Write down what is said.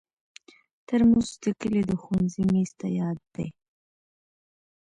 ترموز د کلي د ښوونځي میز ته یاد دی.